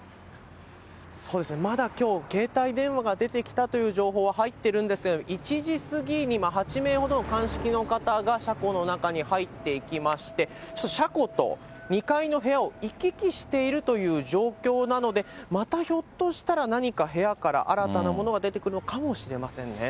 そうですね、まだきょう、携帯電話が出てきたという情報は入ってるんですが、１時過ぎに８名ほどの鑑識の方が、車庫の中に入っていきまして、車庫と２階の部屋を行き来しているという状況なので、またひょっとしたら、何か部屋から新たなものが出てくるのかもしれませんね。